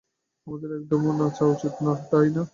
আমাদের একদমই নাচা উচিত না, তাই না?